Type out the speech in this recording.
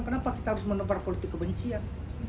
kenapa kita harus menebar politik kebencian